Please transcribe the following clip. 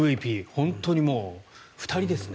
本当にもう２人ですね。